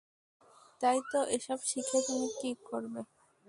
তাইতো, এসব শিখে তুমি কী করবে?